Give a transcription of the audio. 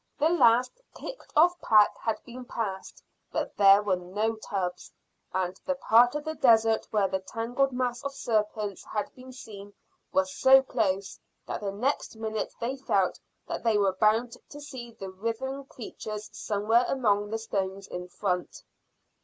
The last kicked off pack had been passed, but there were no tubs, and the part of the desert where the tangled mass of serpents had been seen was so close that the next minute they felt that they were bound to see the writhing creatures somewhere among the stones in front.